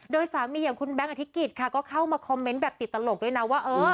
โดยสามีอย่างคุณแบงค์อธิกิจค่ะก็เข้ามาคอมเมนต์แบบติดตลกด้วยนะว่า